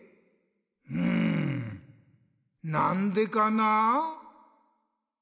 うんなんでかな？